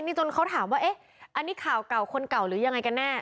นี่จนเขาถามว่าเอ๊ะอันนี้ข่าวเก่าคนเก่าหรือยังไงกันแน่